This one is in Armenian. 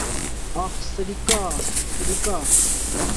Ախ, սրիկա՜, սրիկա՜…